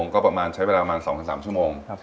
ก็ประมาณใช้เวลาประมาณ๒๓ชั่วโมง